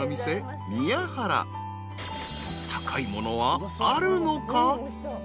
［高いものはあるのか？］